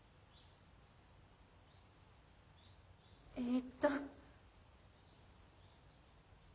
えっと。